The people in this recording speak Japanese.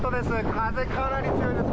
風、かなり強いです。